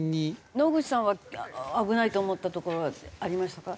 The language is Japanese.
野口さんは危ないと思ったところはありましたか？